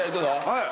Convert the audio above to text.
はい。